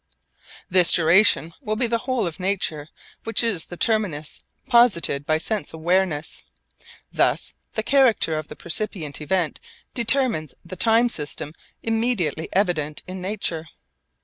This duration will be the whole of nature which is the terminus posited by sense awareness. Thus the character of the percipient event determines the time system immediately evident in nature.